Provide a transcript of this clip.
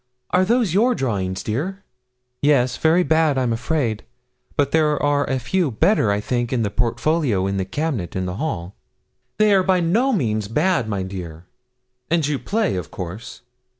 Are those your drawings, dear?' 'Yes, very bad, I'm afraid; but there are a few, better, I think in the portfolio in the cabinet in the hall.' 'They are by no means bad, my dear; and you play, of course?'